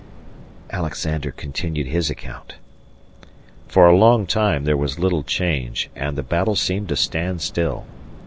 Alexander continued his account: For a long time there was little change and the battle seemed to stand still.